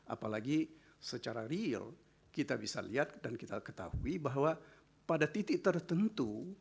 apalagi secara real kita bisa lihat dan kita ketahui bahwa pada titik tertentu